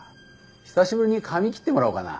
久しぶりに髪切ってもらおうかな。